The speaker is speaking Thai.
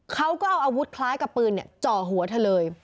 เขาก็เอาอาวุธคล้ายกับปืนจ่อหัวเธอเลย